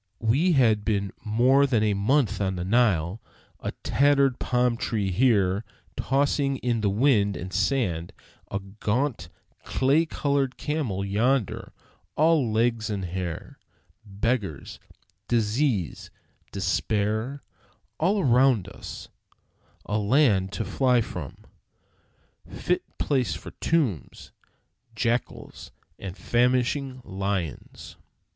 We had been more than a month on the Nile; a tattered palm tree here tossing in the wind and sand; a gaunt, clay colored camel yonder, all legs and hair; beggars, disease, despair all around us; a land to fly from, fit place for tombs, jackals, and famishing lions!